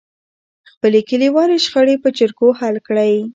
خپلې کليوالې شخړې په جرګو حل کړئ.